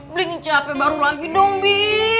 beli nih capek baru lagi dong bi